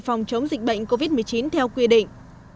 phòng chống dịch bệnh covid một mươi chín theo quy định